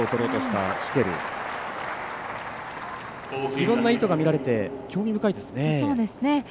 いろんな意図が見られて興味深いですね。